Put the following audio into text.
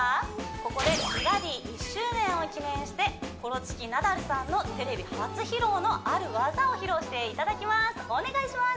ここで「美バディ」１周年を記念してコロチキナダルさんのテレビ初披露のある技を披露していただきますお願いします